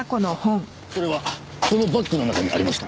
それはそのバッグの中にありました。